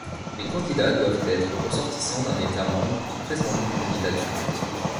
Les candidats doivent être ressortissants d’un État membre qui présente leur candidature.